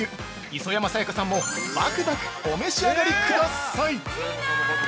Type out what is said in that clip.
磯山さやかさんも、ばくばくお召し上がりください。